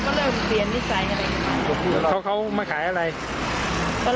คือเขาเป็นอย่างงั้นเราก็ไม่คุยกับเขาอีกอย่าง